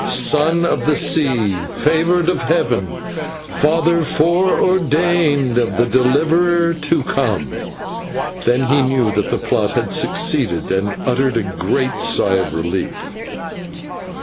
Son of the Sea, Favoured of Heaven, Father fore ordained of the Deliverer to come!" Then he knew that the plot had succeeded, and he uttered a great sigh of relief.